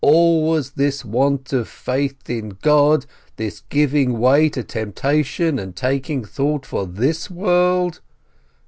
Always this want of faith in God, this giving way to temptation, and taking thought for this world